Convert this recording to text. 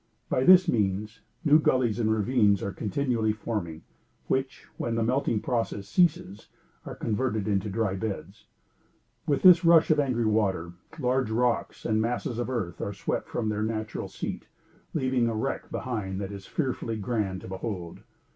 By this means, new gullies and ravines are continually forming, which, when the melting process ceases, are converted into dry beds. With this rush of angry water, large rocks and masses of earth are swept from their natural seat, leaving a wreck behind that is fearfully grand to behold.